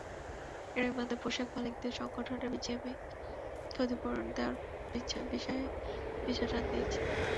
এরই মধ্যে পোশাক মালিকদের সংগঠন বিজিএমইএ ক্ষতিপূরণ দেওয়ার বিষয়ে পিছটান দিয়েছে।